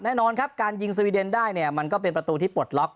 แน่นอนครับการยิงสวีเดนได้เนี่ยมันก็เป็นประตูที่ปลดล็อก